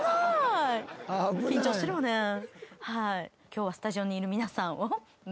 今日はスタジオにいる皆さんを。